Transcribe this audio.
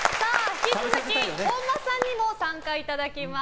引き続き本間さんにもご参加いただきます。